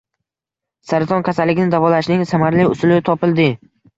Saraton kasalligini davolashning samarali usuli topilding